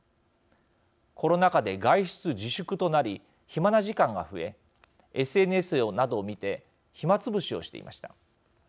コロナ禍で外出自粛となり暇な時間が増えＳＮＳなどを見て暇つぶしをしていました。